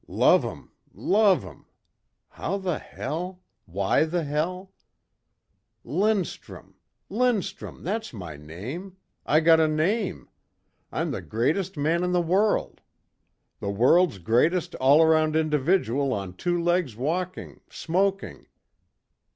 "Love 'em. Love 'em. How the Hell ... why the Hell? Lindstrum! Lindstrum! That's my name.... I got a name. I'm the greatest man in the world. The world's greatest all around individual on two legs walking, smoking.